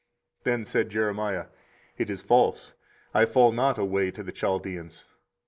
24:037:014 Then said Jeremiah, It is false; I fall not away to the Chaldeans.